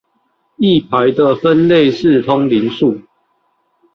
一排的分類是通靈術